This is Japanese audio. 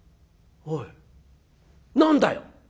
「おい何だよ。